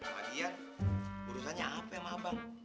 padian urusannya apa emang abang